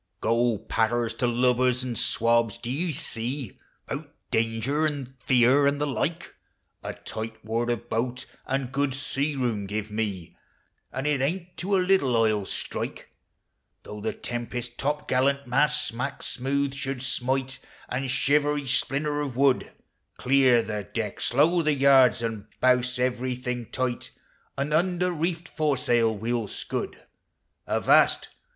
Go, patter to lubbers and swabs, do ye see, 'Bou1 danger, and fear, and the like: A tight water boat and good sea room give me, And h aVt to a little I '11 strike. THE BE i. 137 Though the tempest topgallant masts smack BIDOOtb should smile And Shiver each splinter of WOOd, — clear the deck, slow the yards, and bouse every thing tight, And under reeled foresail we 'li scud : Avast